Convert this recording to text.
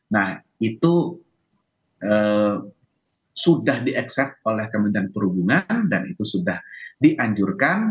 nah itu sudah di excet oleh kementerian perhubungan dan itu sudah dianjurkan